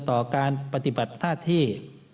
ต่อการปฏิบัติหน้าที่